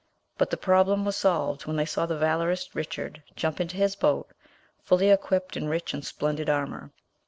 But the problem was solved when they saw the valorous Richard jump into his boat, fully equipped in rich and splendid armour.